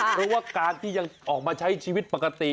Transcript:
เพราะว่าการที่ยังออกมาใช้ชีวิตปกติ